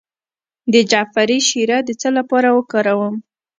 د جعفری شیره د څه لپاره وکاروم؟